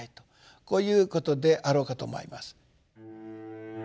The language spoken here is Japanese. こういうことであろうかと思います。